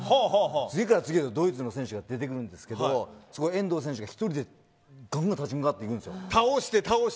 次から次へとドイツの選手が出てくるんですけど遠藤選手が１人でがんがん立ち向かっていくんですよ。